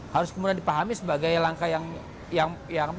harus kemudian dipahami sebagai langkah yang